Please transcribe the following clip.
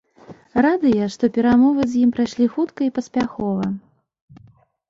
Радыя, што перамовы з ім прайшлі хутка і паспяхова.